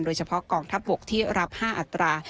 โดยเฉพาะกองทัพบกที่รับ๕อัตรา